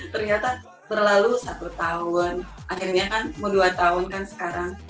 ternyata berlalu satu tahun akhirnya kan mau dua tahun kan sekarang